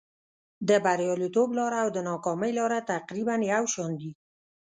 د بریالیتوب لاره او د ناکامۍ لاره تقریبا یو شان دي.